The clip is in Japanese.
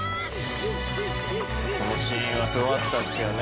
「このシーンはすごかったですよね。